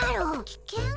きけん？